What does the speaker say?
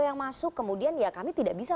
yang masuk kemudian ya kami tidak bisa